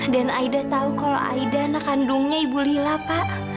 dan aida tahu kalau aida anak kandungnya ibu lila pak